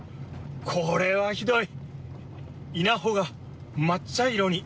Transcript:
これはひどい。